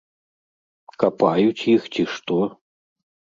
Капаюць іх, ці што?